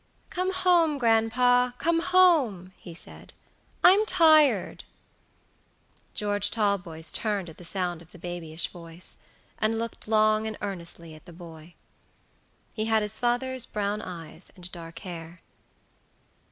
"Come home, grandpa, come home," he said. "I'm tired." George Talboys turned at the sound of the babyish voice, and looked long and earnestly at the boy. He had his father's brown eyes and dark hair.